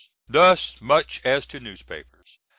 Thus much as to newspapers.